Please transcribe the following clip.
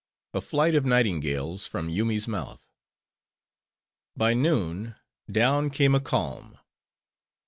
A Flight Of Nightingales From Yoomy's Mouth By noon, down came a calm.